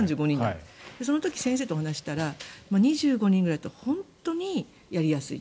その時、先生と話したら２５人ぐらいだと本当にやりやすいと。